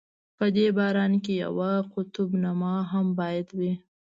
په دې باران کې یوه قطب نما هم باید وي.